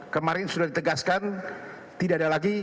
kemarin sudah ditegaskan tidak ada lagi